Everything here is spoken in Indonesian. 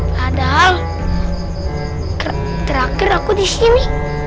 padahal terakhir aku di sini